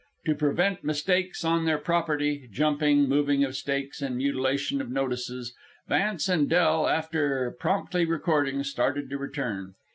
To prevent mistakes on their property, jumping, moving of stakes, and mutilation of notices, Vance and Del, after promptly recording, started to return.